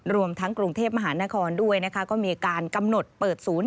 รวมทั้งกรุงเทพมหานครด้วยนะคะก็มีการกำหนดเปิดศูนย์